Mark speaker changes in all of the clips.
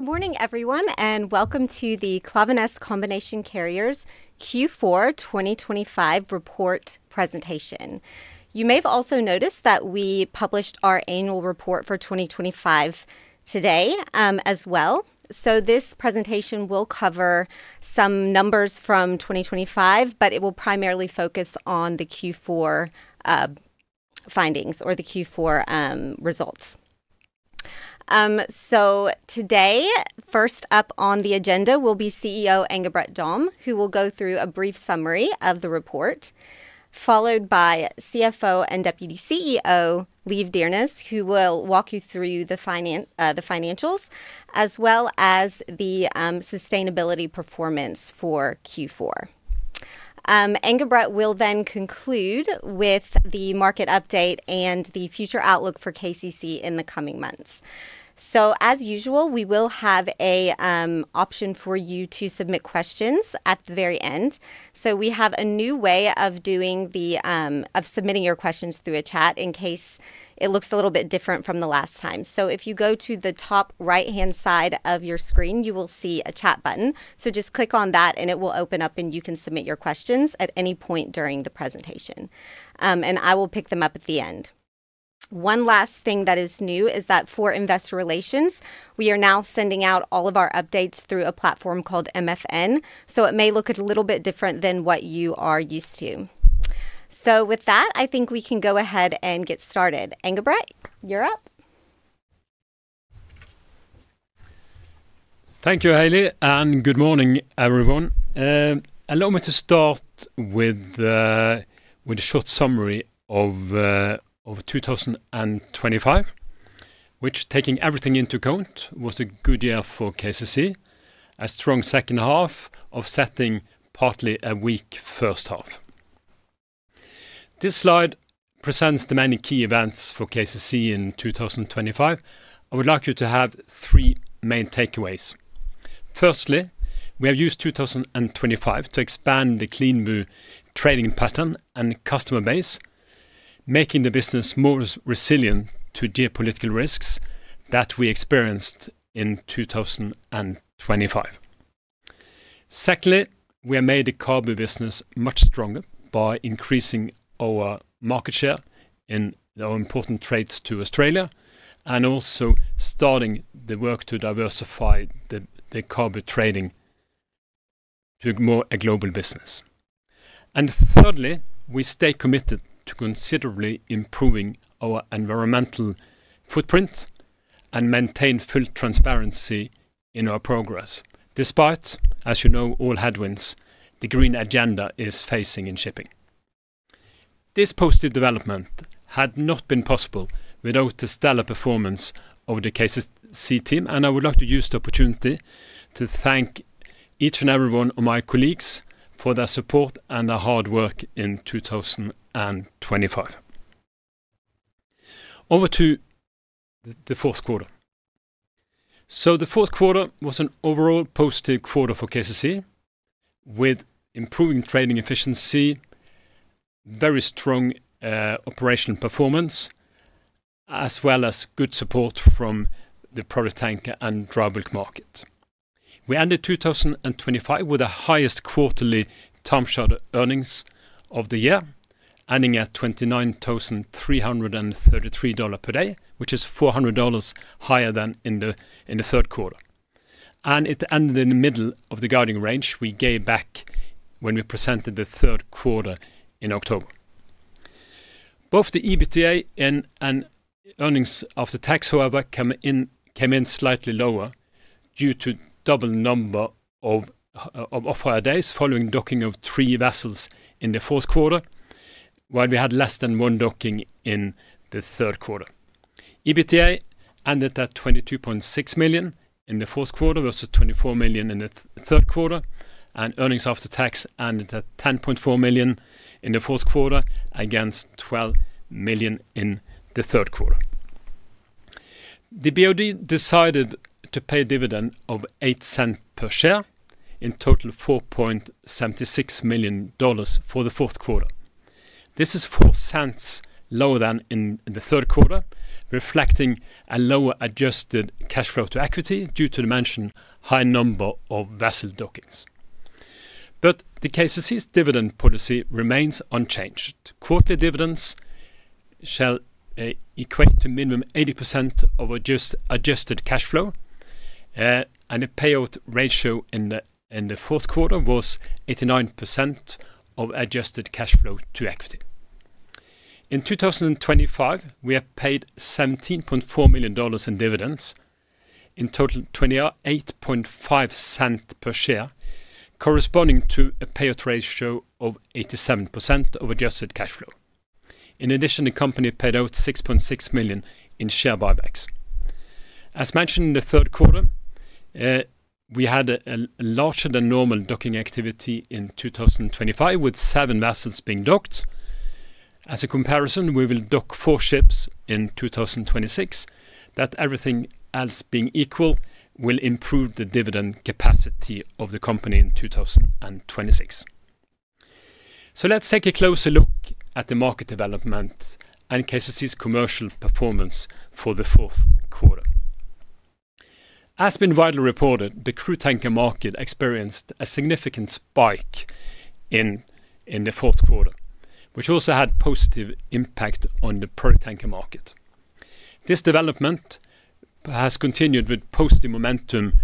Speaker 1: Good morning, everyone, and welcome to the Klaveness Combination Carriers Q4 2025 report presentation. You may have also noticed that we published our annual report for 2025 today, as well. So this presentation will cover some numbers from 2025, but it will primarily focus on the Q4 findings or the Q4 results. So today, first up on the agenda will be CEO Engebret Dahm, who will go through a brief summary of the report, followed by CFO and Deputy CEO Liv Dyrnes, who will walk you through the financials, as well as the sustainability performance for Q4. Engebret will then conclude with the market update and the future outlook for KCC in the coming months. So as usual, we will have an option for you to submit questions at the very end. So we have a new way of doing the, of submitting your questions through a chat in case it looks a little bit different from the last time. So if you go to the top right-hand side of your screen, you will see a chat button. So just click on that, and it will open up, and you can submit your questions at any point during the presentation. And I will pick them up at the end. One last thing that is new is that for investor relations, we are now sending out all of our updates through a platform called MFN, so it may look a little bit different than what you are used to. So with that, I think we can go ahead and get started. Engebret, you're up.
Speaker 2: Thank you, Haley, and good morning, everyone. Allow me to start with a short summary of 2025, which, taking everything into account, was a good year for KCC. A strong second half, offsetting partly a weak first half. This slide presents the many key events for KCC in 2025. I would like you to have three main takeaways. Firstly, we have used 2025 to expand the CLEANBU trading pattern and customer base, making the business more resilient to geopolitical risks that we experienced in 2025. Secondly, we have made the cargo business much stronger by increasing our market share in our important trades to Australia and also starting the work to diversify the cargo trading to more a global business. And thirdly, we stay committed to considerably improving our environmental footprint and maintain full transparency in our progress, despite, as you know, all headwinds, the green agenda is facing in shipping. This positive development had not been possible without the stellar performance of the KCC team, and I would like to use the opportunity to thank each and every one of my colleagues for their support and their hard work in 2025. Over to the fourth quarter. So the fourth quarter was an overall positive quarter for KCC, with improving trading efficiency, very strong operational performance, as well as good support from the product tanker and dry bulk market. We ended 2025 with the highest quarterly time charter earnings of the year, ending at $29,333 per day, which is $400 higher than in the third quarter. It ended in the middle of the guidance range we gave back when we presented the third quarter in October. Both the EBITDA and earnings after tax, however, came in slightly lower due to double the number of off-hire days following docking of three vessels in the fourth quarter, while we had less than one docking in the third quarter. EBITDA ended at $22.6 million in the fourth quarter, versus $24 million in the third quarter, and earnings after tax ended at $10.4 million in the fourth quarter, against $12 million in the third quarter. The BOD decided to pay a dividend of $0.08 per share, in total, $4.76 million for the fourth quarter. This is 4 cents lower than in the third quarter, reflecting a lower adjusted cash flow to equity due to the mentioned high number of vessel dockings. The KCC's dividend policy remains unchanged. Quarterly dividends shall equate to minimum 80% of adjusted cash flow, and the payout ratio in the fourth quarter was 89% of adjusted cash flow to equity. In 2025, we have paid $17.4 million in dividends, in total, $0.285 per share, corresponding to a payout ratio of 87% of adjusted cash flow. In addition, the company paid out $6.6 million in share buybacks. As mentioned in the third quarter, we had a larger-than-normal docking activity in 2025, with seven vessels being docked. As a comparison, we will dock four ships in 2026. That, everything else being equal, will improve the dividend capacity of the company in 2026... So let's take a closer look at the market development and KCC's commercial performance for the fourth quarter. As has been widely reported, the crude tanker market experienced a significant spike in the fourth quarter, which also had positive impact on the product tanker market. This development has continued with positive momentum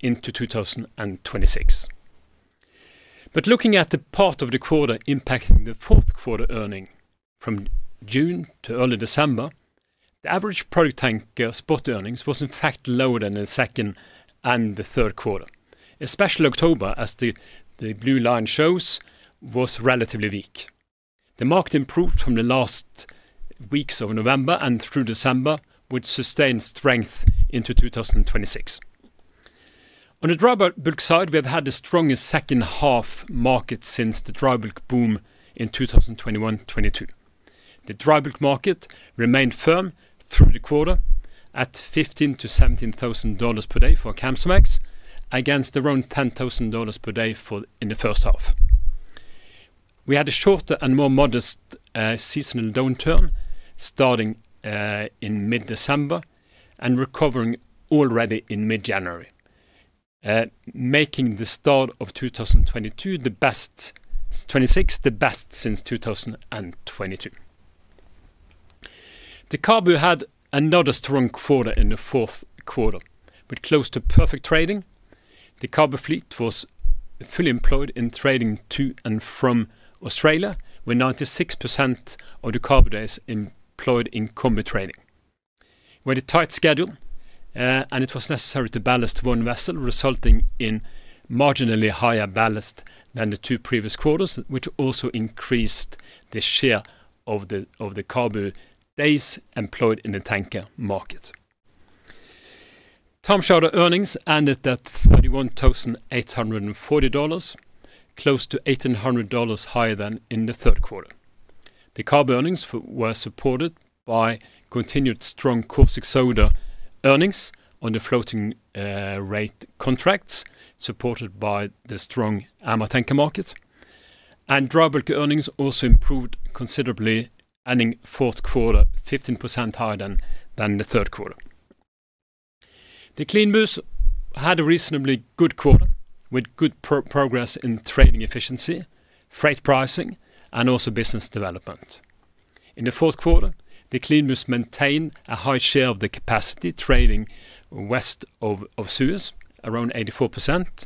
Speaker 2: into 2026. But looking at the part of the quarter impacting the fourth quarter earnings from June to early December, the average product tanker spot earnings was in fact lower than the second and the third quarter, especially October, as the blue line shows, was relatively weak. The market improved from the last weeks of November and through December, with sustained strength into 2026. On the dry bulk side, we have had the strongest second half market since the dry bulk boom in 2021, 2022. The dry bulk market remained firm through the quarter at $15,000-$17,000 per day for Kamsarmax, against around $10,000 per day for-- in the first half. We had a shorter and more modest seasonal downturn, starting in mid-December and recovering already in mid-January, making the start of 2026 the best since 2022. The CABU had another strong quarter in the fourth quarter, with close to perfect trading. The CABU fleet was fully employed in trading to and from Australia, with 96% of the CABU days employed in combi trading. With a tight schedule, and it was necessary to ballast one vessel, resulting in marginally higher ballast than the two previous quarters, which also increased the share of the CABU days employed in the tanker market. Time charter earnings ended at $31,840, close to $1,800 higher than in the third quarter. The CABU earnings were supported by continued strong caustic soda earnings on the floating rate contracts, supported by the strong MR tanker market. Dry bulk earnings also improved considerably, in the fourth quarter 15% higher than the third quarter. The CLEANBU had a reasonably good quarter, with good progress in trading efficiency, freight pricing, and also business development. In the fourth quarter, the CLEANBU maintained a high share of the capacity trading west of Suez, around 84%,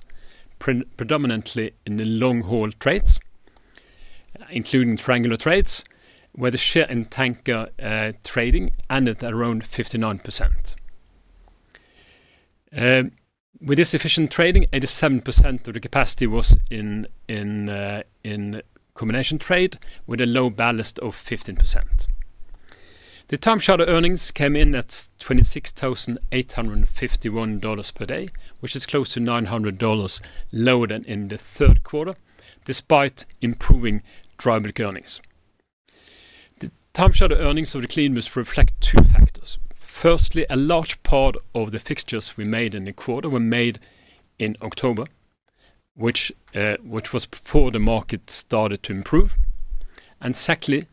Speaker 2: predominantly in the long-haul trades, including triangular trades, where the share in tanker trading ended at around 59%. With this efficient trading, 87% of the capacity was in combination trade, with a low ballast of 15%. The time charter earnings came in at $26,851 per day, which is close to $900 lower than in the third quarter, despite improving dry bulk earnings. The time charter earnings of the CLEANBU reflect two factors. Firstly, a large part of the fixtures we made in the quarter were made in October, which was before the market started to improve. And secondly,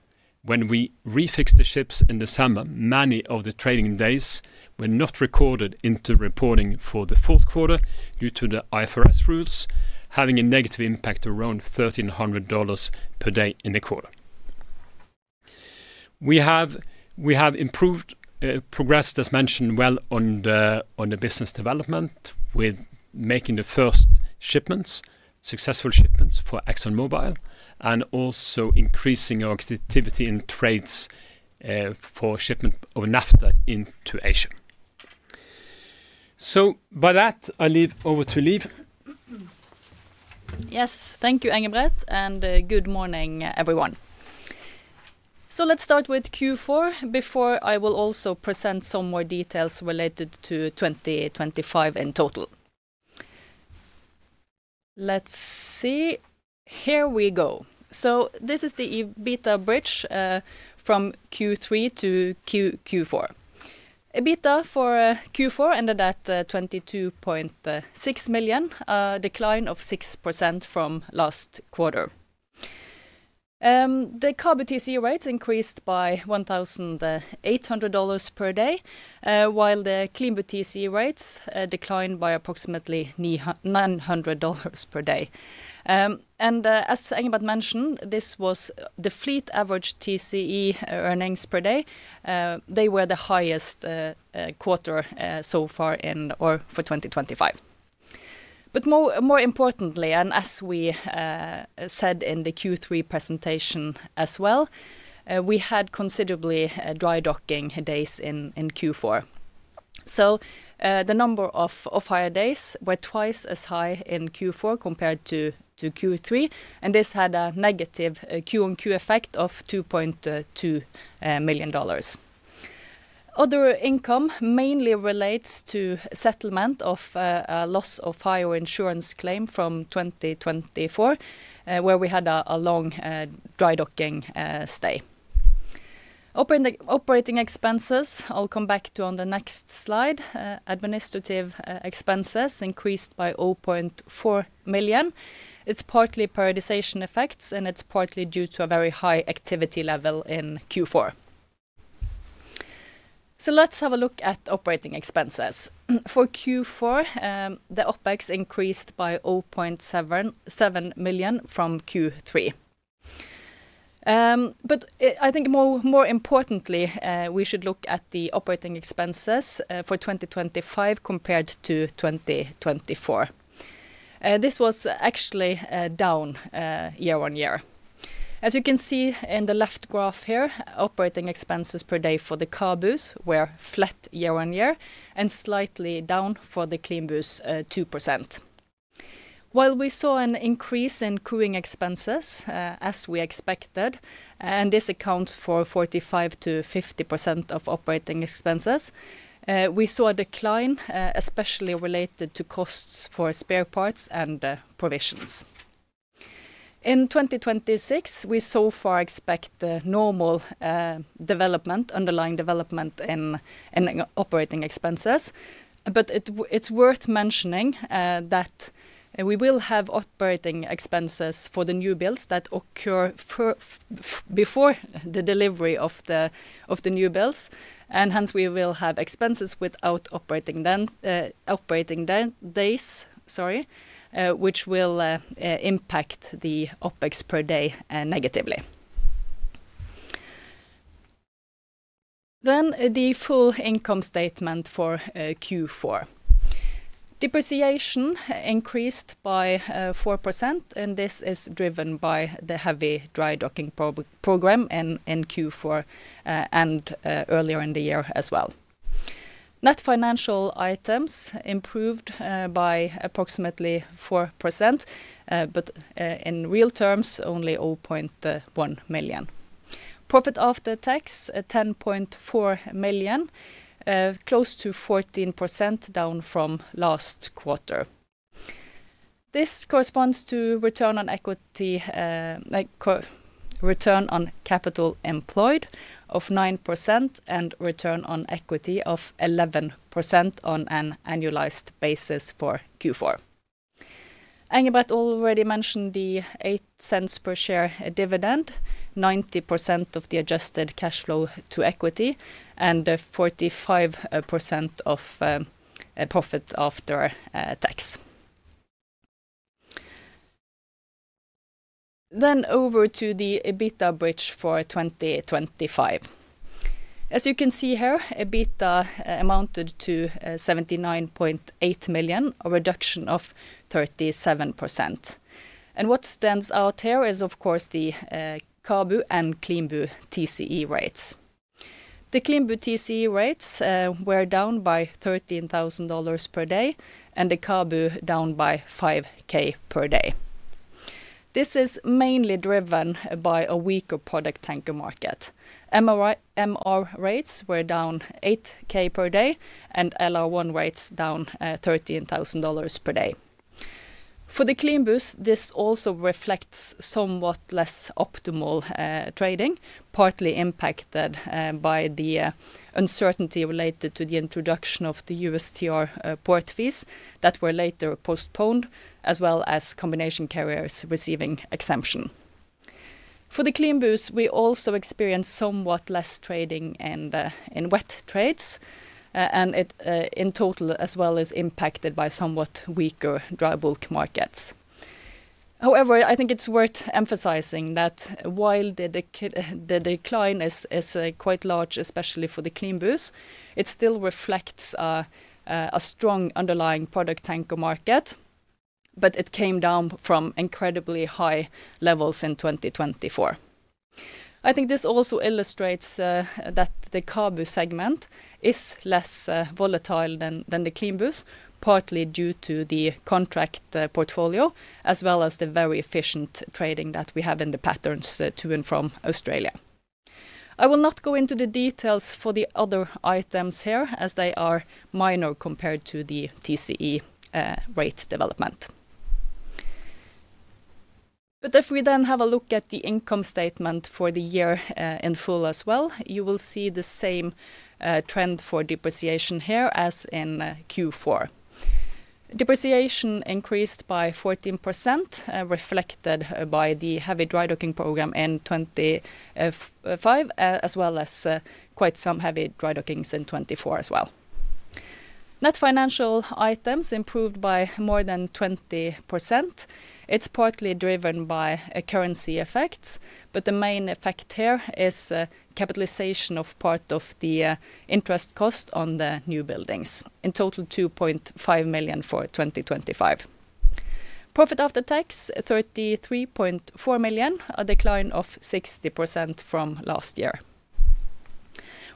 Speaker 2: when we refixed the ships in December, many of the trading days were not recorded into reporting for the fourth quarter due to the IFRS rules, having a negative impact around $1,300 per day in the quarter. We have improved progress, as mentioned well on the business development, with making the first shipments, successful shipments for ExxonMobil, and also increasing our activity in trades for shipment of naphtha into Asia. So by that, I leave over to Liv.
Speaker 3: Yes, thank you, Engebret, and good morning, everyone. So let's start with Q4 before I will also present some more details related to 2025 in total. Let's see. Here we go. So this is the EBITDA bridge from Q3-Q4. EBITDA for Q4 ended at $22.6 million, a decline of 6% from last quarter. The CABU TCE rates increased by $1,800 per day while the CLEANBU TCE rates declined by approximately nine hundred dollars per day. And as Engebret mentioned, this was the fleet average TCE earnings per day. They were the highest quarter so far in or for 2025. But more importantly, and as we said in the Q3 presentation as well, we had considerably dry docking days in Q4. So the number of hire days were twice as high in Q4 compared to Q3, and this had a negative Q-on-Q effect of $2.2 million. Other income mainly relates to settlement of a loss of hire insurance claim from 2024, where we had a long dry docking stay. On the operating expenses, I'll come back to on the next slide. Administrative expenses increased by $0.4 million. It's partly periodization effects, and it's partly due to a very high activity level in Q4. So let's have a look at operating expenses. For Q4, the OpEx increased by $0.77 million from Q3. But I think more importantly, we should look at the operating expenses for 2025 compared to 2024. This was actually down year-on-year. As you can see in the left graph here, operating expenses per day for the CABUs were flat year-on-year and slightly down for the CLEANBUs 2%. While we saw an increase in crewing expenses, as we expected, and this accounts for 45%-50% of operating expenses, we saw a decline, especially related to costs for spare parts and provisions. In 2026, we so far expect the normal development, underlying development in operating expenses. But it's worth mentioning that we will have operating expenses for the new builds that occur before the delivery of the new builds, and hence, we will have expenses without operating the days, sorry, which will impact the OpEx per day negatively. Then the full income statement for Q4. Depreciation increased by 4%, and this is driven by the heavy dry docking program in Q4 and earlier in the year as well. Net financial items improved by approximately 4%, but in real terms, only $0.1 million. Profit after tax $10.4 million, close to 14% down from last quarter. This corresponds to return on equity, like ROCE, return on capital employed of 9% and return on equity of 11% on an annualized basis for Q4. Engebret already mentioned the $0.08 per share dividend, 90% of the adjusted cash flow to equity, and a 45% of profit after tax. Then over to the EBITDA bridge for 2025. As you can see here, EBITDA amounted to $79.8 million, a reduction of 37%. And what stands out here is, of course, the CABU and CLEANBU TCE rates. The CLEANBU TCE rates were down by $13,000 per day, and the CABU down by $5,000 per day. This is mainly driven by a weaker product tanker market. MR rates were down $8,000 per day, and LR1 rates down $13,000 per day. For the CLEANBU, this also reflects somewhat less optimal trading, partly impacted by the uncertainty related to the introduction of the USTR port fees that were later postponed, as well as combination carriers receiving exemption. For the CLEANBU, we also experienced somewhat less trading in the wet trades, and it in total, as well as impacted by somewhat weaker dry bulk markets. However, I think it's worth emphasizing that while the decline is quite large, especially for the CLEANBU, it still reflects a strong underlying product tanker market, but it came down from incredibly high levels in 2024. I think this also illustrates that the CABU segment is less volatile than the CLEANBU, partly due to the contract portfolio, as well as the very efficient trading that we have in the patterns to and from Australia. I will not go into the details for the other items here, as they are minor compared to the TCE rate development. But if we then have a look at the income statement for the year in full as well, you will see the same trend for depreciation here as in Q4. Depreciation increased by 14%, reflected by the heavy dry docking program in 2025 as well as quite some heavy dry dockings in 2024 as well. Net financial items improved by more than 20%. It's partly driven by a currency effects, but the main effect here is a capitalization of part of the interest cost on the new buildings. In total, $2.5 million for 2025. Profit after tax, $33.4 million, a decline of 60% from last year.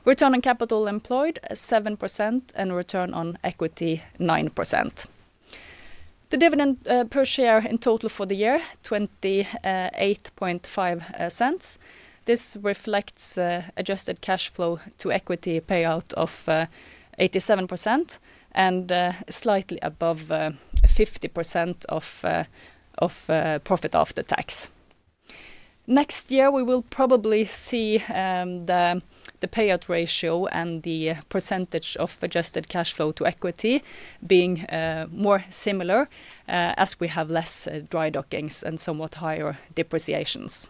Speaker 3: Return on capital employed, 7%, and return on equity, 9%. The dividend per share in total for the year, $0.085. This reflects adjusted cash flow to equity payout of 87% and slightly above 50% of profit after tax. Next year, we will probably see the payout ratio and the percentage of adjusted cash flow to equity being more similar as we have less dry dockings and somewhat higher depreciations.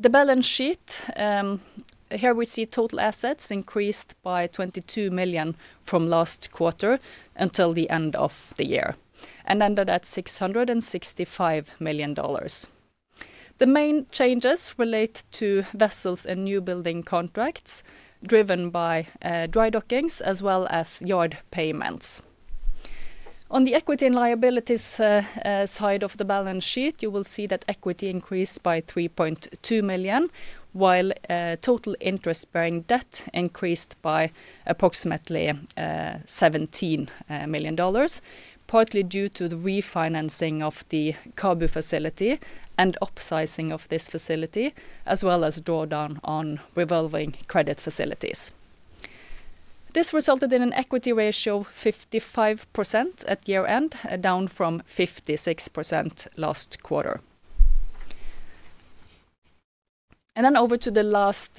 Speaker 3: The balance sheet, here we see total assets increased by $22 million from last quarter until the end of the year, and ended at $665 million. The main changes relate to vessels and new building contracts, driven by dry dockings as well as yard payments. On the equity and liabilities side of the balance sheet, you will see that equity increased by $3.2 million, while total interest-bearing debt increased by approximately 17 million dollars, partly due to the refinancing of the CABU facility and upsizing of this facility, as well as draw down on revolving credit facilities. This resulted in an equity ratio of 55% at year-end, down from 56% last quarter. Then over to the last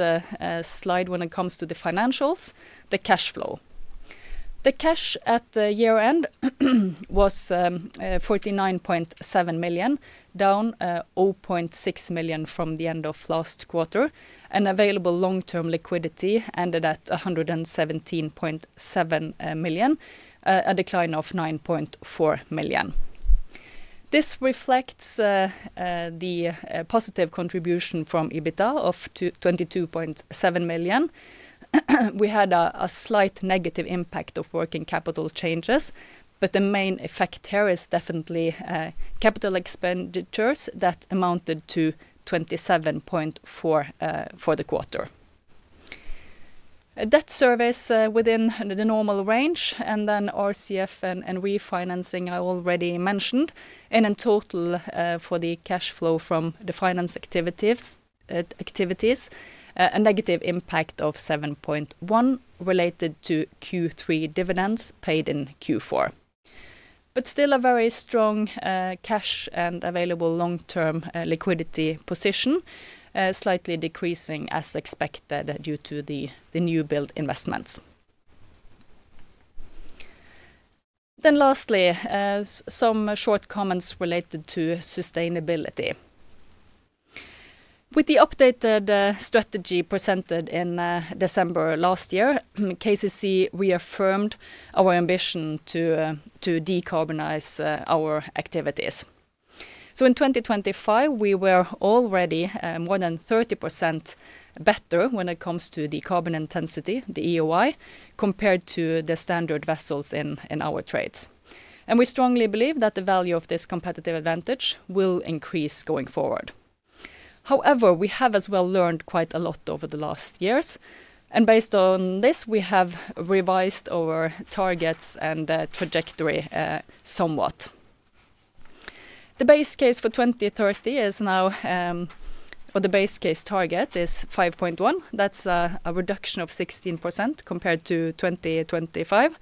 Speaker 3: slide when it comes to the financials, the cash flow. The cash at the year-end was $49.7 million, down $0.6 million from the end of last quarter, and available long-term liquidity ended at $117.7 million, a decline of $9.4 million. This reflects the positive contribution from EBITDA of $22.7 million. We had a slight negative impact of working capital changes, but the main effect here is definitely capital expenditures that amounted to $27.4 million for the quarter. Debt service within the normal range, and then RCF and refinancing, I already mentioned. And in total, for the cash flow from the finance activities, a negative impact of $7.1 million related to Q3 dividends paid in Q4. But still a very strong cash and available long-term liquidity position, slightly decreasing as expected due to the new build investments. Then lastly, some short comments related to sustainability. With the updated strategy presented in December last year, KCC reaffirmed our ambition to decarbonize our activities. So in 2025, we were already more than 30% better when it comes to the carbon intensity, the EEOI, compared to the standard vessels in our trades. And we strongly believe that the value of this competitive advantage will increase going forward. However, we have as well learned quite a lot over the last years, and based on this, we have revised our targets and the trajectory somewhat. The base case for 2030 is now or the base case target is 5.1. That's a reduction of 16% compared to 2025,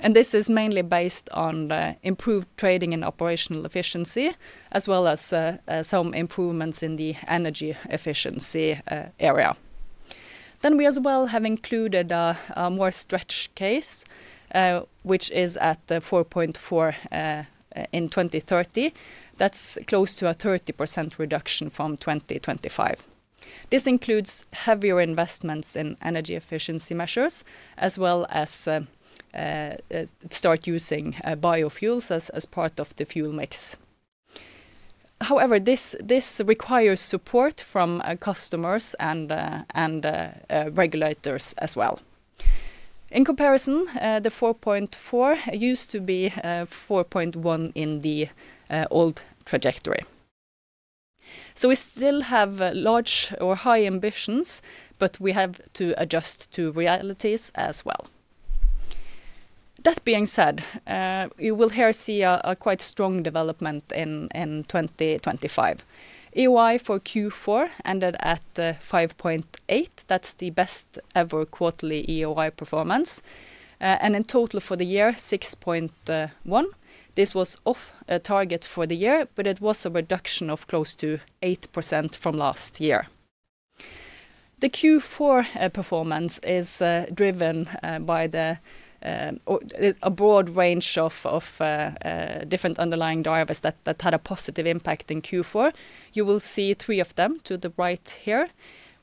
Speaker 3: and this is mainly based on improved trading and operational efficiency, as well as some improvements in the energy efficiency area. Then we as well have included a more stretched case, which is at the 4.4 in 2030. That's close to a 30% reduction from 2025. This includes heavier investments in energy efficiency measures, as well as start using biofuels as part of the fuel mix. However, this requires support from customers and regulators as well. In comparison, the 4.4 used to be 4.1 in the old trajectory. So we still have large or high ambitions, but we have to adjust to realities as well. That being said, you will here see a quite strong development in 2025. EEOI for Q4 ended at 5.8. That's the best-ever quarterly EEOI performance. And in total for the year, 6.1, this was off a target for the year, but it was a reduction of close to 8% from last year. The Q4 performance is driven by a broad range of different underlying drivers that had a positive impact in Q4. You will see three of them to the right here.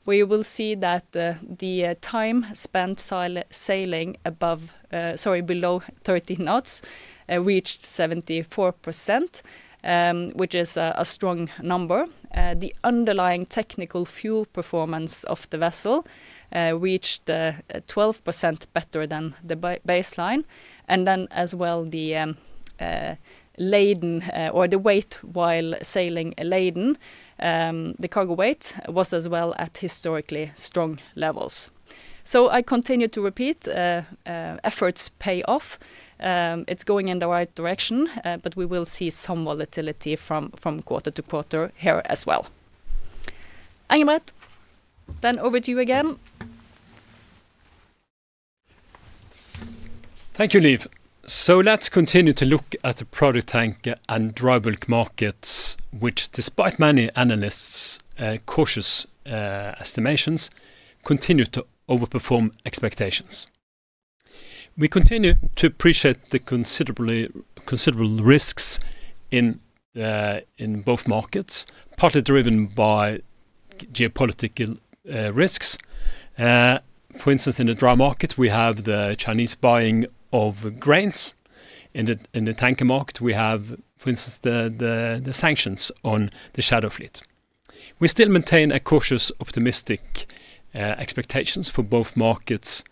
Speaker 3: We will see that the time spent sailing below 30 knots reached 74%, which is a strong number. The underlying technical fuel performance of the vessel reached 12% better than the baseline, and then as well, the laden or the weight while sailing laden, the cargo weight was as well at historically strong levels. So I continue to repeat, efforts pay off. It's going in the right direction, but we will see some volatility from quarter to quarter here as well. Engebret, then over to you again....
Speaker 2: Thank you, Liv. So let's continue to look at the product tanker and dry bulk markets, which, despite many analysts' cautious estimations, continue to overperform expectations. We continue to appreciate the considerable risks in both markets, partly driven by geopolitical risks. For instance, in the dry market, we have the Chinese buying of grains. In the tanker market, we have, for instance, the sanctions on the shadow fleet. We still maintain a cautious, optimistic expectations for both markets.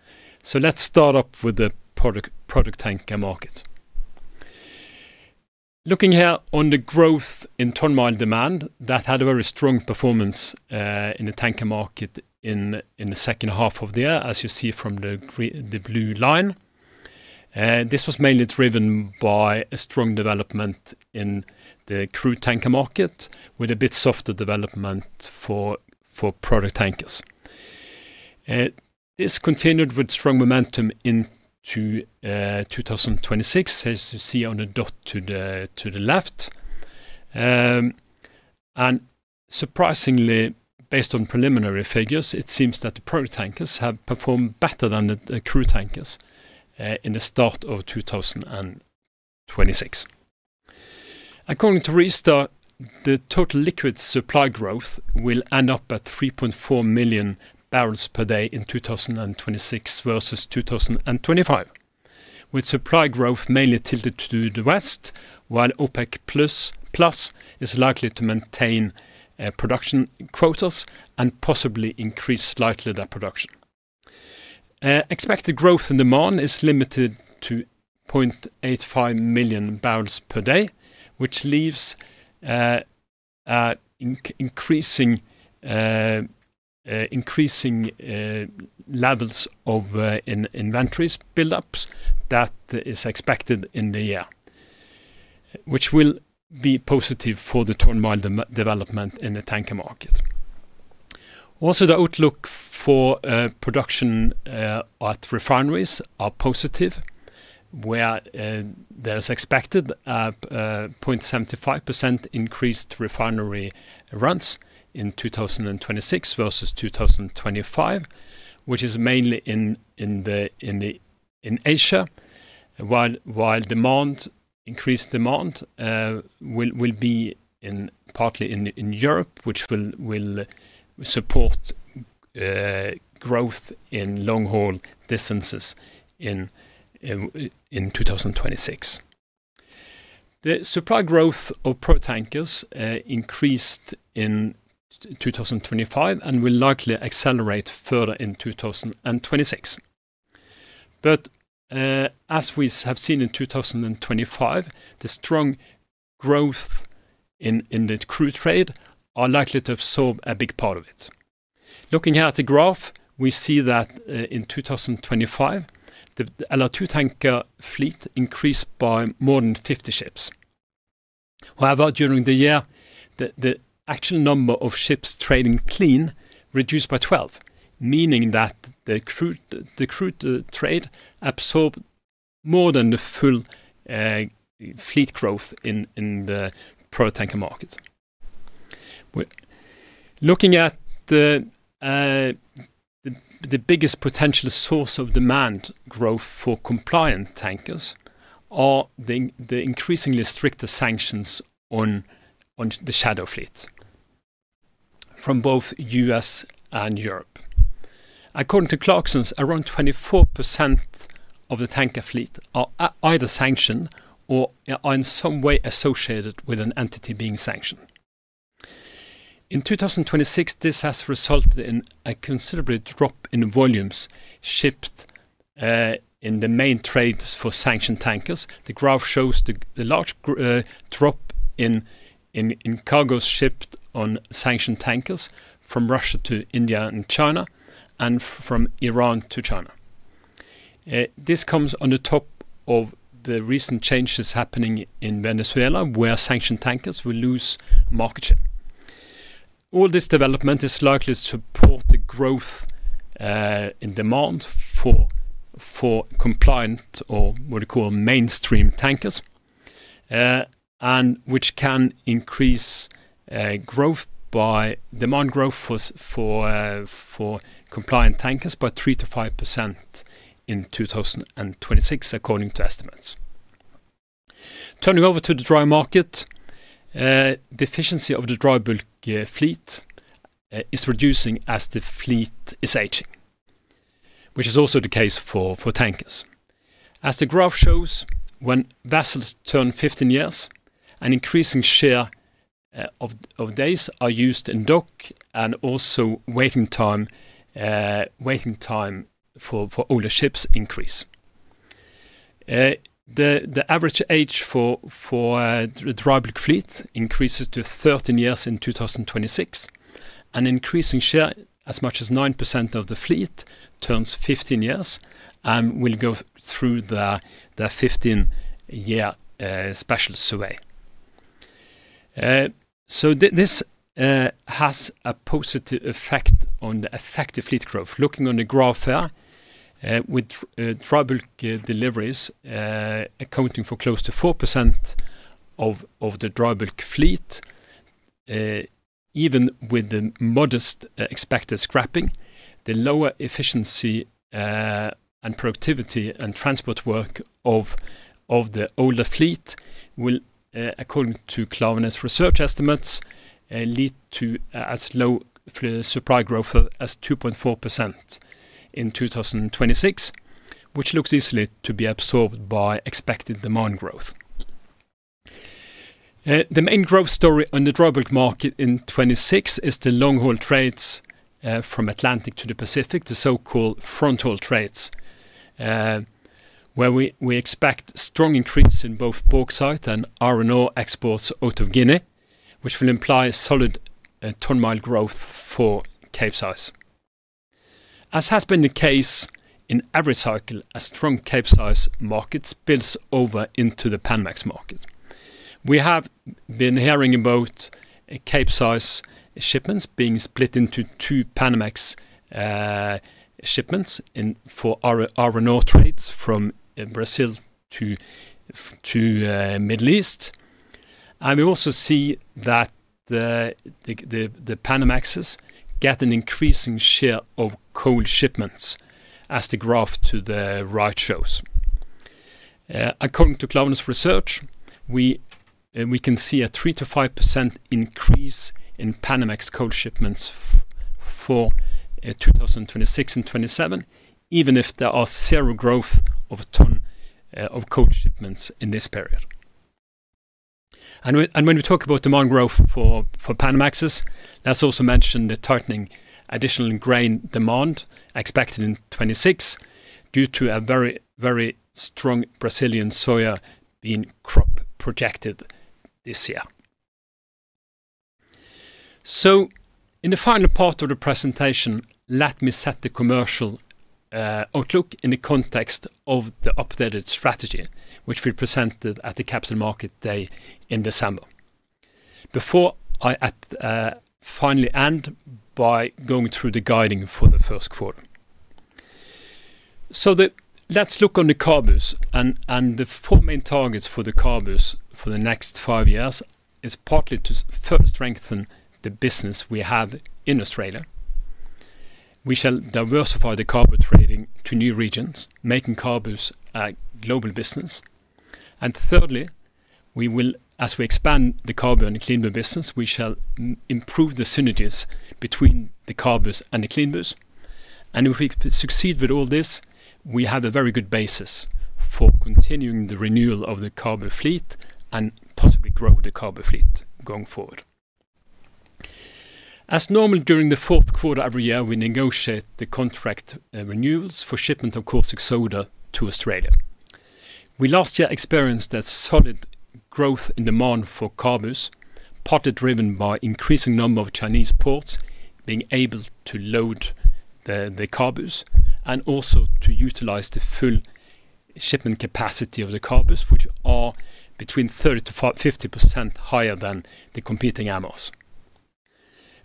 Speaker 2: So let's start off with the product tanker market. Looking here on the growth in ton-mile demand, that had a very strong performance in the tanker market in the second half of the year, as you see from the blue line. This was mainly driven by a strong development in the crude tanker market, with a bit softer development for product tankers. This continued with strong momentum into 2026, as you see on the dot to the left. And surprisingly, based on preliminary figures, it seems that the product tankers have performed better than the crude tankers in the start of 2026. According to Rystad, the total liquid supply growth will end up at 3.4 million barrels per day in 2026 versus 2025, with supply growth mainly tilted to the West, while OPEC+ is likely to maintain production quotas and possibly increase slightly their production. Expected growth in demand is limited to 0.85 million barrels per day, which leaves increasing levels of inventories build-ups that is expected in the year, which will be positive for the ton-mile development in the tanker market. Also, the outlook for production at refineries are positive, where there is expected 0.75% increased refinery runs in 2026 versus 2025, which is mainly in Asia, while increased demand will be partly in Europe, which will support growth in long-haul distances in 2026. The supply growth of product tankers increased in 2025 and will likely accelerate further in 2026. But as we have seen in 2025, the strong growth in the crude trade are likely to absorb a big part of it. Looking at the graph, we see that in 2025, the LR2 tanker fleet increased by more than 50 ships. However, during the year, the actual number of ships trading clean reduced by 12, meaning that the crude trade absorbed more than the full fleet growth in the product tanker market. Looking at the biggest potential source of demand growth for compliant tankers are the increasingly stricter sanctions on the shadow fleet from both U.S. and Europe. According to Clarksons, around 24% of the tanker fleet are either sanctioned or are in some way associated with an entity being sanctioned. In 2026, this has resulted in a considerable drop in volumes shipped in the main trades for sanctioned tankers. The graph shows the large drop in cargoes shipped on sanctioned tankers from Russia to India and China and from Iran to China. This comes on the top of the recent changes happening in Venezuela, where sanctioned tankers will lose market share. All this development is likely to support the growth in demand for compliant, or what you call mainstream tankers, and which can increase growth by demand growth for compliant tankers by 3%-5% in 2026, according to estimates. Turning over to the dry market, the efficiency of the dry bulk fleet is reducing as the fleet is aging, which is also the case for tankers. As the graph shows, when vessels turn 15 years, an increasing share of days are used in dock and also waiting time for older ships increase. The average age for the dry bulk fleet increases to 13 years in 2026. An increasing share, as much as 9% of the fleet, turns 15 years and will go through the 15-year special survey. So this has a positive effect on the effective fleet growth. Looking on the graph here, with dry bulk deliveries accounting for close to 4% of the dry bulk fleet, even with the modest expected scrapping, the lower efficiency and productivity and transport work of the older fleet will, according to Clarksons Research estimates, lead to supply growth as low as 2.4% in 2026, which looks easily to be absorbed by expected demand growth. The main growth story on the dry bulk market in 2026 is the long-haul trades from Atlantic to the Pacific, the so-called front-haul trades. Where we expect strong increase in both bauxite and iron ore exports out of Guinea, which will imply solid ton-mile growth for Capesize. As has been the case in every cycle, a strong Capesize market spills over into the Panamax market. We have been hearing about Capesize shipments being split into two Panamax shipments in for iron ore trades from Brazil to the Middle East. We also see that the Panamaxes get an increasing share of coal shipments as the graph to the right shows. According to Klaveness Research, we can see a 3%-5% increase in Panamax coal shipments for 2026 and 2027, even if there are zero growth of ton of coal shipments in this period. When we talk about demand growth for Panamax, let's also mention the tightening additional grain demand expected in 2026 due to a very strong Brazilian soybean crop projected this year. So in the final part of the presentation, let me set the commercial outlook in the context of the updated strategy, which we presented at the Capital Market Day in December. Before I finally end by going through the guidance for the first quarter. So let's look on the CABUs and the four main targets for the CABUs for the next five years is partly to first strengthen the business we have in Australia. We shall diversify the cargo trading to new regions, making CABUs a global business. And thirdly, we will, as we expand the CABU and the CLEANBU business, we shall improve the synergies between the CABUs and the CLEANBUs. And if we succeed with all this, we have a very good basis for continuing the renewal of the CABU fleet and possibly grow the CABU fleet going forward. As normal, during the fourth quarter every year, we negotiate the contract renewals for shipment of caustic soda to Australia. We last year experienced a solid growth in demand for CABUs, partly driven by increasing number of Chinese ports being able to load the CABUs, and also to utilize the full shipment capacity of the CABUs, which are between 30%-50% higher than the competing MRs.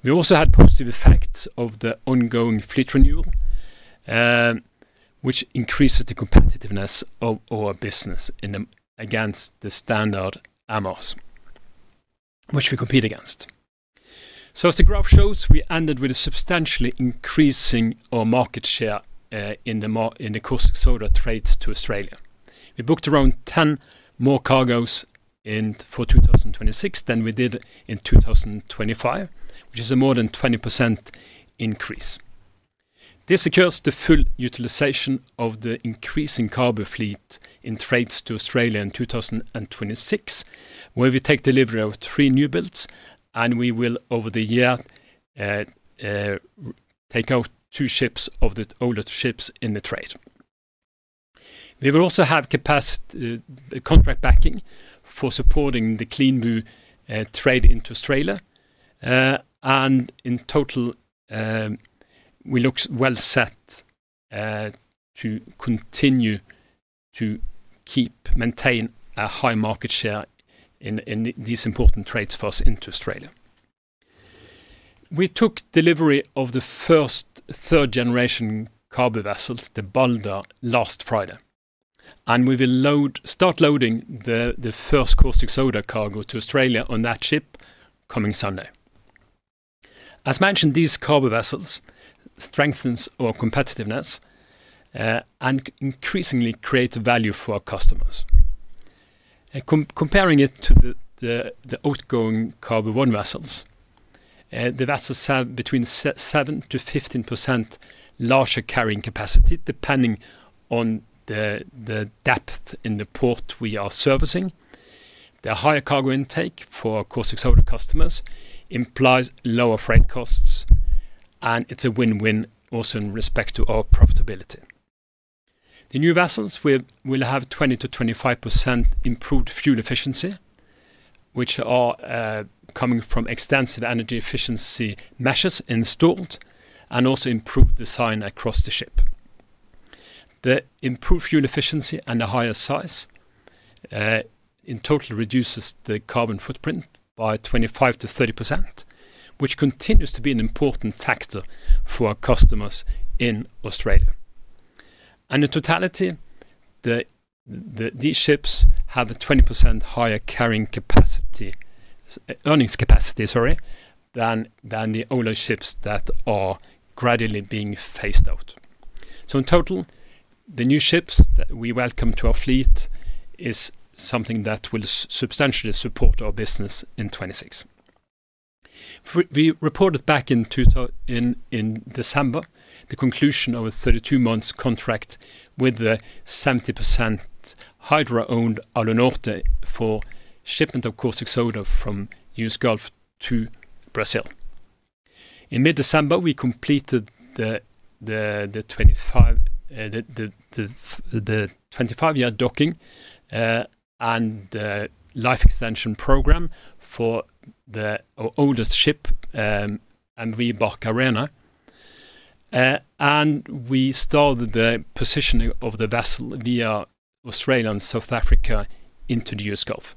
Speaker 2: We also had positive effects of the ongoing fleet renewal, which increases the competitiveness of our business against the standard MRs, which we compete against. So as the graph shows, we ended with substantially increasing our market share in the caustic soda trades to Australia. We booked around 10 more cargoes in for 2026 than we did in 2025, which is a more than 20% increase. This secures the full utilization of the increasing CABU fleet in trades to Australia in 2026, where we take delivery of 3 new builds, and we will, over the year, take out 2 ships of the older ships in the trade. We will also have contract backing for supporting the CLEANBU trade into Australia. And in total, we look well set to continue to keep, maintain a high market share in these important trades for us into Australia. We took delivery of the first third-generation CABU vessels, the Balder, last Friday, and we will start loading the first caustic soda cargo to Australia on that ship coming Sunday. As mentioned, these CABU vessels strengthens our competitiveness and increasingly create value for our customers. Comparing it to the outgoing CABU I vessels, the vessels have between 7%-15% larger carrying capacity, depending on the depth in the port we are servicing. The higher cargo intake for our caustic soda customers implies lower freight costs, and it's a win-win also in respect to our profitability. The new vessels will have 20%-25% improved fuel efficiency, which are coming from extensive energy efficiency measures installed and also improved design across the ship. The improved fuel efficiency and the higher size in total reduces the carbon footprint by 25%-30%, which continues to be an important factor for our customers in Australia. In totality, these ships have a 20% higher carrying capacity, earnings capacity, sorry, than the older ships that are gradually being phased out. So in total, the new ships that we welcome to our fleet is something that will substantially support our business in 2026. We reported back in December, the conclusion of a 32-month contract with the 70% Hydro-owned Alunorte for shipment of caustic soda from US Gulf to Brazil. In mid-December, we completed the 25-year docking and life extension program for the oldest ship, the Baumar. We started the positioning of the vessel via Australia and South Africa into the US Gulf.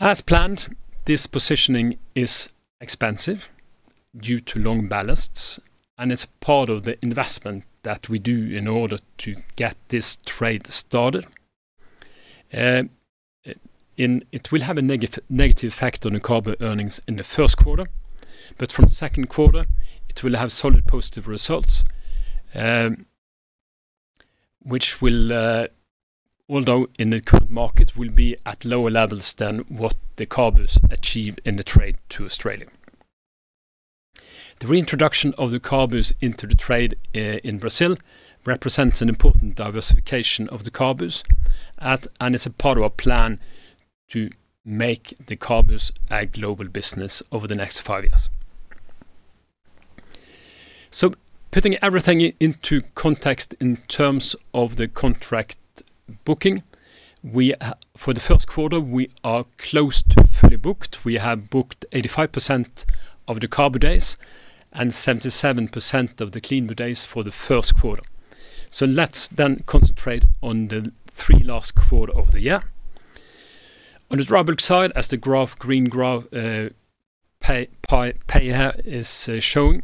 Speaker 2: As planned, this positioning is expensive due to long ballasts, and it's part of the investment that we do in order to get this trade started. It will have a negative effect on the CABU earnings in the first quarter, but from the second quarter it will have solid positive results, which will, although in the current market, will be at lower levels than what the CABU achieve in the trade to Australia. The reintroduction of the CABUs into the trade in Brazil represents an important diversification of the CABUs and it's a part of our plan to make the CABUs a global business over the next five years. So putting everything into context in terms of the contract booking, we, for the first quarter, we are close to fully booked. We have booked 85% of the CABU days and 77% of the CLEANBU days for the first quarter. So let's then concentrate on the three last quarters of the year. On the dry bulk side, as the graph, green graph, pie here is showing,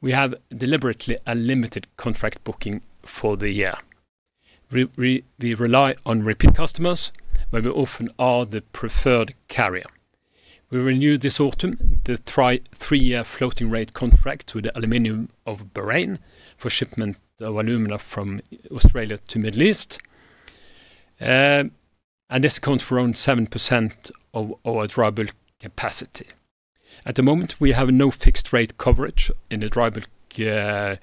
Speaker 2: we have deliberately a limited contract booking for the year. We rely on repeat customers, where we often are the preferred carrier. We renew this autumn, the three-year floating rate contract with Aluminium Bahrain for shipment of alumina from Australia to Middle East. And this accounts for around 7% of our dry bulk capacity. At the moment, we have no fixed rate coverage in the dry bulk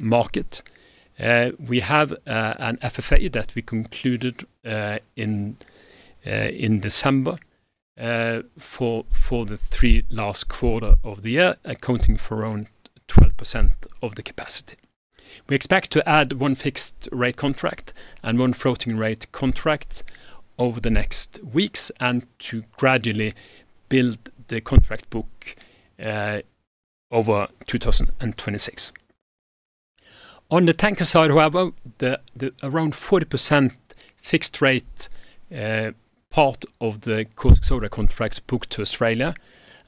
Speaker 2: market. We have an FFA that we concluded in December for the last three quarters of the year, accounting for around 12% of the capacity. We expect to add one fixed rate contract and one floating rate contract over the next weeks and to gradually build the contract book over 2026. On the tanker side, however, the around 40% fixed rate part of the caustic soda contracts booked to Australia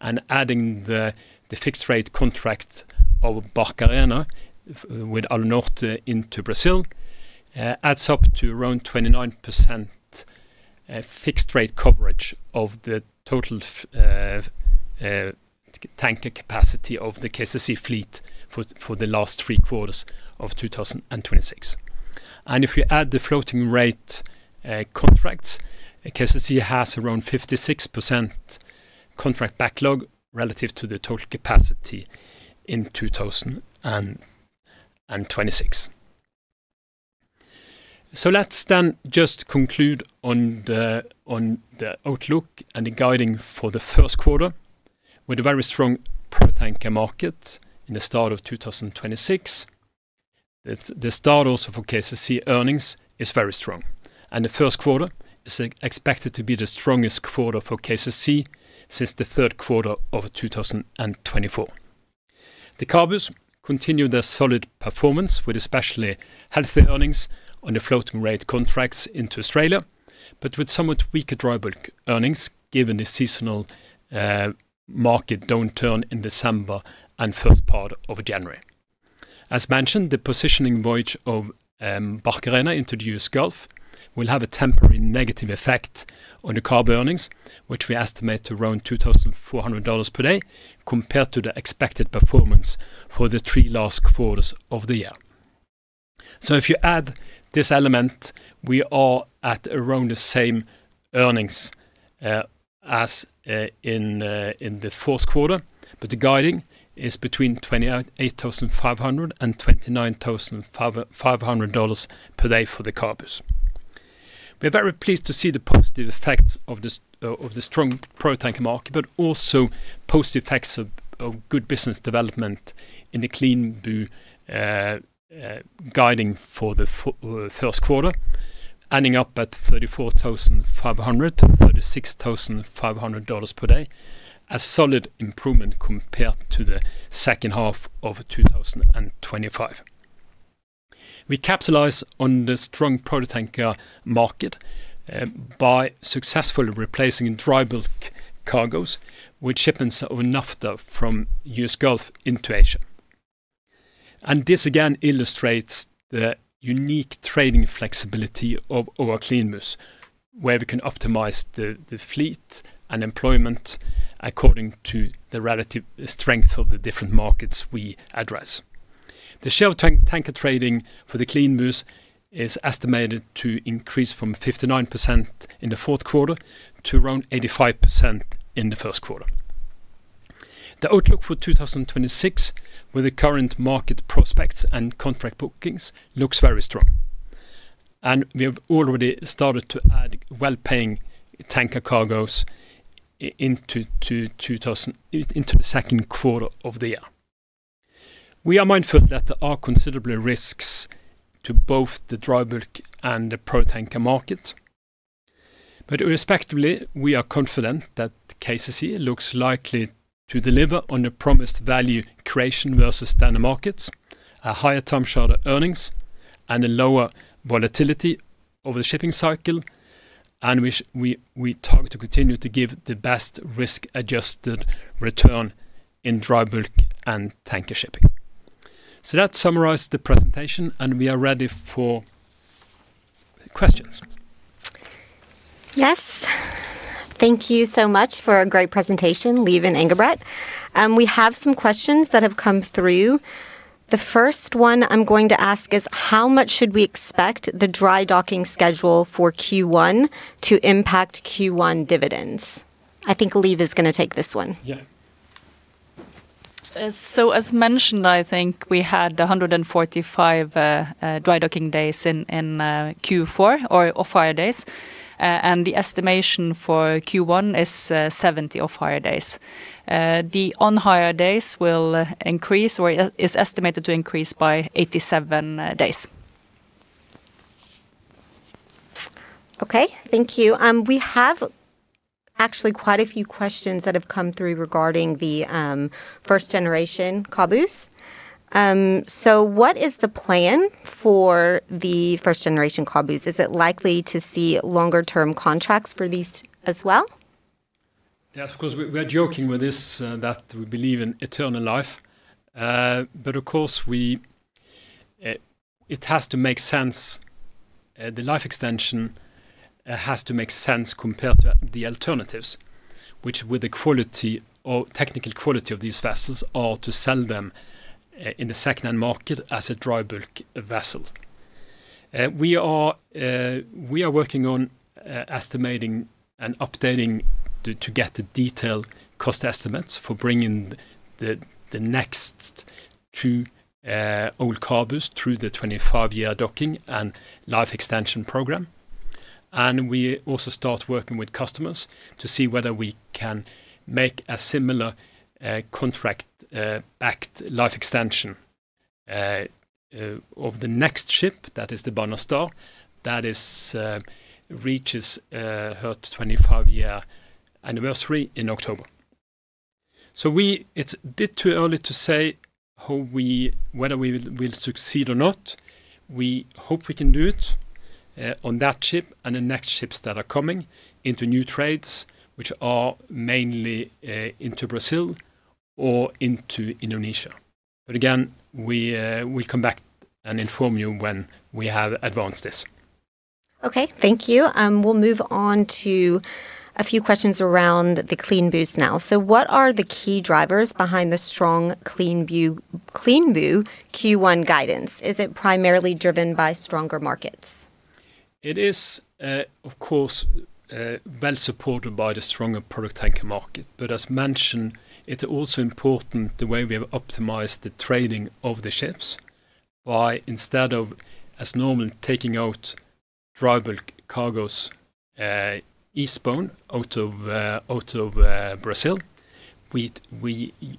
Speaker 2: and adding the fixed rate contract of Barcarena with Alunorte into Brazil adds up to around 29% fixed rate coverage of the total tanker capacity of the KCC fleet for the last three quarters of 2026. And if you add the floating rate contracts, KCC has around 56% contract backlog relative to the total capacity in 2026. So let's then just conclude on the outlook and the guiding for the first quarter. With a very strong product tanker market in the start of 2026, it's the start also for KCC earnings is very strong, and the first quarter is expected to be the strongest quarter for KCC since the third quarter of 2024. The CABUs continue their solid performance, with especially healthy earnings on the floating rate contracts into Australia, but with somewhat weaker dry bulk earnings, given the seasonal market downturn in December and first part of January. As mentioned, the positioning voyage of Baumar into U.S. Gulf will have a temporary negative effect on the CABU earnings, which we estimate to around $2,400 per day, compared to the expected performance for the three last quarters of the year. So if you add this element, we are at around the same earnings as in the fourth quarter, but the guidance is between $28,500 and $29,500 per day for the CABUs. We are very pleased to see the positive effects of this, of the strong product tanker market, but also positive effects of good business development in the CLEANBU, guiding for the first quarter, ending up at $34,500-$36,500 per day, a solid improvement compared to the second half of 2025. We capitalize on the strong product tanker market, by successfully replacing dry bulk cargoes with shipments of naphtha from U.S. Gulf into Asia. And this again illustrates the unique trading flexibility of our CLEANBU's, where we can optimize the fleet and employment according to the relative strength of the different markets we address. The clean tanker trading for the CLEANBU is estimated to increase from 59% in the fourth quarter to around 85% in the first quarter. The outlook for 2026, with the current market prospects and contract bookings, looks very strong, and we have already started to add well-paying tanker cargoes into the second quarter of the year. We are mindful that there are considerable risks to both the dry bulk and the product tanker market. But respectively, we are confident that KCC looks likely to deliver on the promised value creation versus standard markets, a higher term charter earnings, and a lower volatility over the shipping cycle, and we continue to give the best risk-adjusted return in dry bulk and tanker shipping. So that summarizes the presentation, and we are ready for questions.
Speaker 1: Yes. Thank you so much for a great presentation, Liv and Engebret. We have some questions that have come through. The first one I'm going to ask is: how much should we expect the dry docking schedule for Q1 to impact Q1 dividends? I think Liv is gonna take this one.
Speaker 2: Yeah.
Speaker 3: So as mentioned, I think we had 145 dry docking days in Q4, or off-hire days. And the estimation for Q1 is 70 off-hire days. The on-hire days will increase, or is estimated to increase by 87 days.
Speaker 1: Okay, thank you. We have actually quite a few questions that have come through regarding the first generation CABU. What is the plan for the first generation CABU? Is it likely to see longer term contracts for these as well?
Speaker 2: Yes, of course, we are joking with this, that we believe in eternal life. But of course, it has to make sense, the life extension has to make sense compared to the alternatives, which with the quality or technical quality of these vessels, are to sell them in the second-hand market as a dry bulk vessel. We are working on estimating and updating to get the detailed cost estimates for bringing the next two old CABU through the 25-year docking and life extension program. And we also start working with customers to see whether we can make a similar contract backed life extension of the next ship, that is the Banastar. That is reaches her 25-year anniversary in October. It's a bit too early to say whether we will succeed or not. We hope we can do it on that ship and the next ships that are coming into new trades, which are mainly into Brazil or into Indonesia. But again, we come back and inform you when we have advanced this.
Speaker 1: Okay, thank you. We'll move on to a few questions around the CLEANBU now. So what are the key drivers behind the strong CLEANBU Q1 guidance? Is it primarily driven by stronger markets?
Speaker 2: It is, of course, well supported by the stronger product tanker market. But as mentioned, it's also important the way we have optimized the trading of the ships. By instead of, as normal, taking out dry bulk cargos, eastbound out of Brazil, we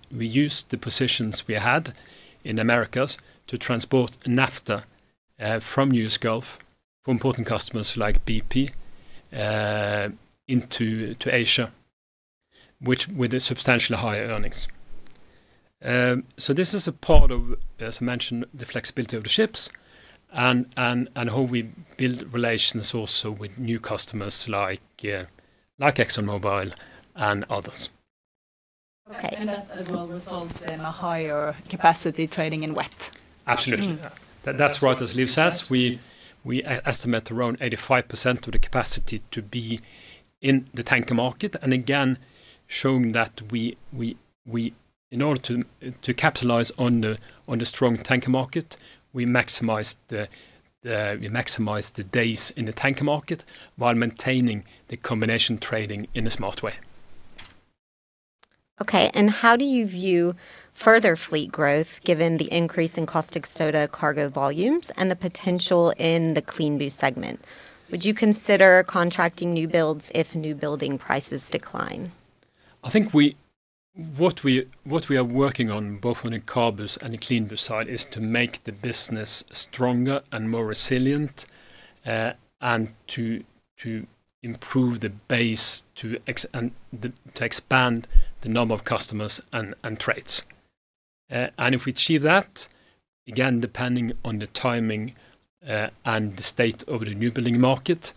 Speaker 2: used the positions we had in Americas to transport naphtha, from US Gulf, from important customers like BP, into Asia, which with the substantially higher earnings. So this is a part of, as I mentioned, the flexibility of the ships and how we build relations also with new customers like ExxonMobil and others.
Speaker 1: Okay.
Speaker 3: That as well results in a higher capacity trading in wet.
Speaker 2: Absolutely.
Speaker 3: Mm-hmm.
Speaker 2: That, that's right, as Liv says, we estimate around 85% of the capacity to be in the tanker market, and again, showing that we in order to capitalize on the strong tanker market, we maximize the days in the tanker market while maintaining the combination trading in a smart way.
Speaker 1: Okay, and how do you view further fleet growth, given the increase in caustic soda cargo volumes and the potential in the CLEANBU segment? Would you consider contracting new builds if new building prices decline?
Speaker 2: I think what we are working on, both on the CABU and the CLEANBU side, is to make the business stronger and more resilient, and to improve the base and to expand the number of customers and trades. And if we achieve that, again, depending on the timing and the state of the newbuilding market,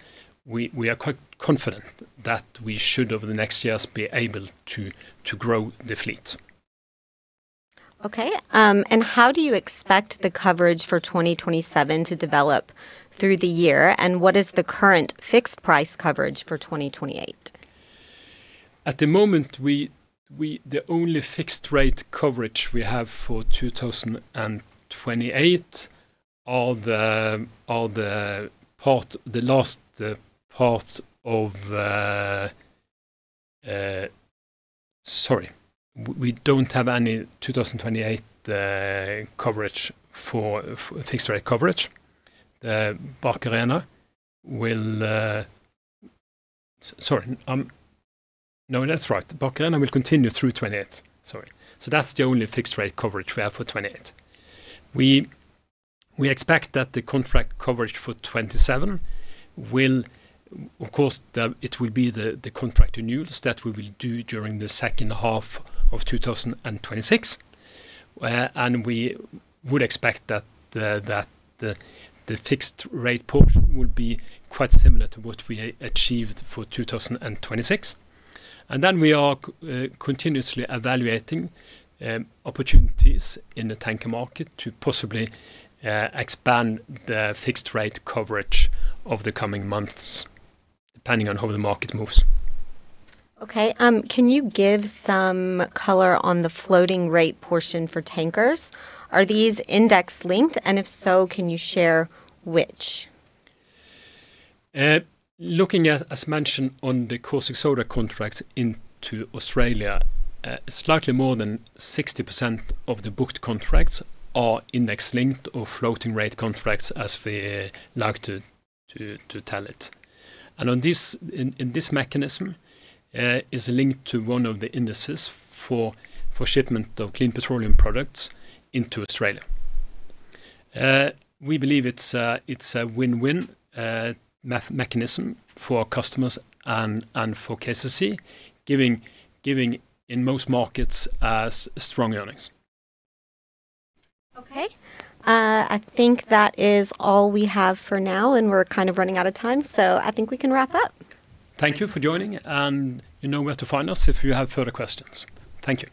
Speaker 2: we are quite confident that we should, over the next years, be able to grow the fleet.
Speaker 1: Okay. How do you expect the coverage for 2027 to develop through the year? What is the current fixed price coverage for 2028?
Speaker 2: At the moment, the only fixed rate coverage we have for 2028. We don't have any 2028 coverage for fixed rate coverage. Barcarena will continue through 2028. So that's the only fixed rate coverage we have for 2028. We expect that the contract coverage for 2027 will be the contract renewals that we will do during the second half of 2026. And we would expect that the fixed rate portion will be quite similar to what we achieved for 2026. And then we are continuously evaluating opportunities in the tanker market to possibly expand the fixed rate coverage over the coming months, depending on how the market moves.
Speaker 1: Okay. Can you give some color on the floating rate portion for tankers? Are these index linked, and if so, can you share which?
Speaker 2: Looking at, as mentioned, on the caustic soda contracts into Australia, slightly more than 60% of the booked contracts are index-linked or floating rate contracts, as we like to tell it. On this, this mechanism is linked to one of the indices for shipment of clean petroleum products into Australia. We believe it's a win-win mechanism for our customers and for KCC, giving in most markets' strong earnings.
Speaker 1: Okay. I think that is all we have for now, and we're kind of running out of time, so I think we can wrap up.
Speaker 2: Thank you for joining, and you know where to find us if you have further questions. Thank you.